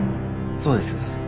そうです。